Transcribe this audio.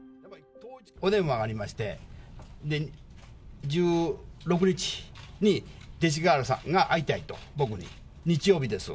お電話がありまして、１６日に勅使河原さんが会いたいと、僕に、日曜日です。